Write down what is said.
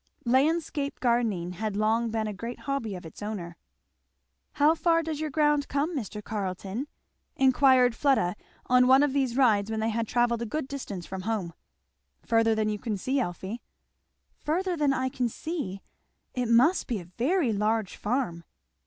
Landscape gardening had long been a great hobby of its owner. "How far does your ground come, Mr Carleton?" inquired Fleda on one of these rides, when they had travelled a good distance from home. "Further than you can see, Elfie." "Further than I can see! It must be a very large farm!"